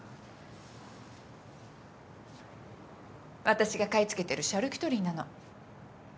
私が買い付けてるシャルキュトリーなの。